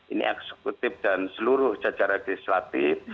ini eksekutif dan seluruh jajaran legislatif